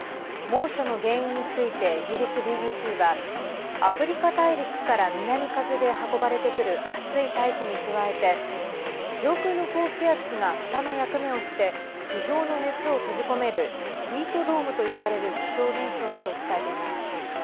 猛暑の原因についてイギリスＢＢＣはアフリカ大陸から南風で運ばれてくる暑い大気に加えて上空の高気圧がふたの役目をして地表の熱を閉じ込めるヒートドームと呼ばれる気象現象だと伝えています。